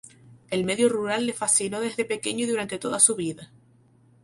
El medio rural le fascinó desde pequeño y durante toda su vida.